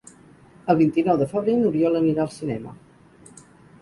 El vint-i-nou de febrer n'Oriol anirà al cinema.